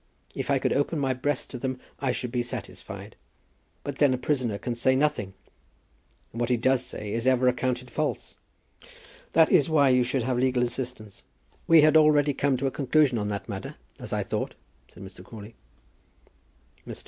If I could open my breast to them I should be satisfied. But then a prisoner can say nothing; and what he does say is ever accounted false." "That is why you should have legal assistance." "We had already come to a conclusion on that matter, as I thought," said Mr. Crawley. Mr.